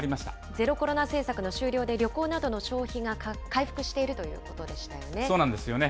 ゼロコロナ政策の終了で旅行などの消費が回復しているというそうなんですよね。